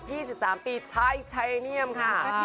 ๒๓ปีชายไทยเนียมค่ะ